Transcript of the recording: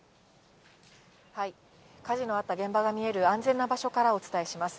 火事のあった現場が見える安全な場所からお伝えします。